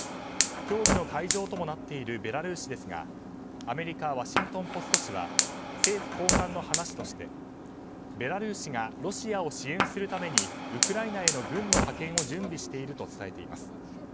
協議の会場ともなっているベラルーシですがアメリカワシントン・ポスト紙は政府高官の話としてベラルーシがロシアを支援するためにウクライナへの軍の派遣を準備していると伝えています。